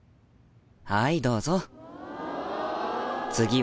はいどうぞ。